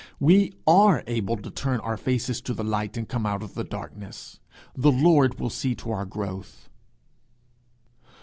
We are able to turn our faces to the light, and come out of the darkness; the Lord will see to our growth.